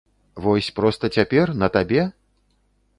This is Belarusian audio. Вось проста цяпер, на табе?